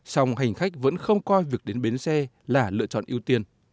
song hành khách vẫn không coi việc đến bến xe là lựa chọn ưu tiên